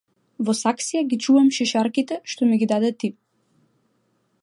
Во саксија ги чувам шишарките што ми ги даде ти.